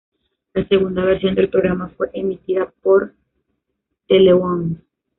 La segunda versión del programa fue emitida por Teleonce.